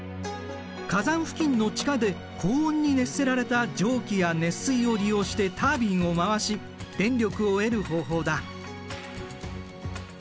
火山付近の地下で高温に熱せられた蒸気や熱水を利用してタービンを回し電力を得る方法だ。